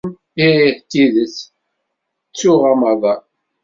Ih, d tidet, ttuɣ amaḍal.